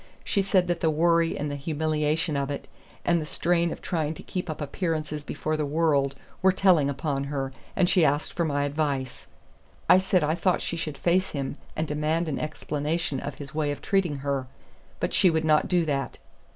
She said that the worry and the humiliation of it, and the strain of trying to keep up appearances before the world, were telling upon her, and she asked for my advice. I said I thought she should face him and demand an explanation of his way of treating her. But she would not do that.